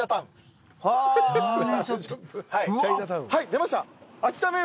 出ました。